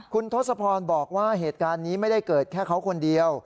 คุณทศพรบอกว่าเหตุการณ์นี้ไม่ได้เกิดแค่เขาคนเดียว